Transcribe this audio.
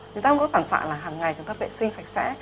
người ta không có phản xạ là hàng ngày chúng ta vệ sinh sạch sẽ